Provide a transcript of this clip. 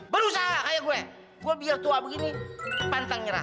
penuh saya kayak gue gue biar tua begini pantang nyerah